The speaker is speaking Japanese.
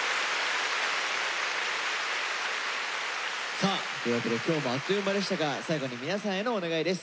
さあというわけで今日もあっという間でしたが最後に皆さんへのお願いです。